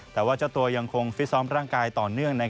แต่ว่าเจ้าตัวยังคงฟิตซ้อมร่างกายต่อเนื่อง